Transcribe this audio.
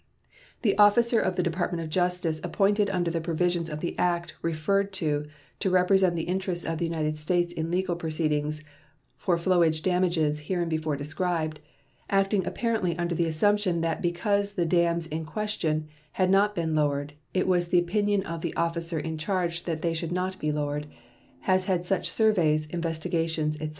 The officer of the Department of Justice appointed under the provisions of the act referred to to represent the interests of the United States in legal proceedings "for flowage damages hereinbefore described," acting apparently under the assumption that because the dams in question had not been lowered it was the opinion of the officer in charge that they should not be lowered, has had such surveys, investigations, etc.